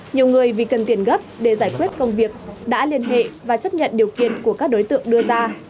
nhiều người vì cần tiền gấp để giải quyết công việc đã liên hệ và chấp nhận điều kiện của các đối tượng đưa ra